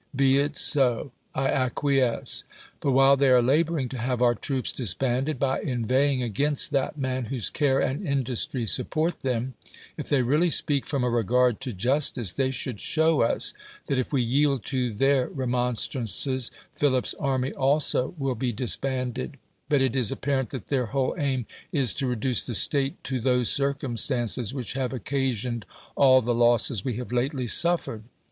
Be it so; I acquiesce I but while they are laboring to have our troops disbanded, by inveighing against that man whose care and industry support them (if they really speak from a regard to justice), they should show us, that if we yield to their re monstrances Philip's army also will be disband ed : but it is apparent that their whole aim is to reduce the state to those circumstances which have occasioned all the losses we have lately suffered.